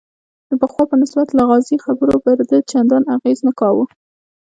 د پخوا په نسبت لغازي خبرو پر ده چندان اغېز نه کاوه.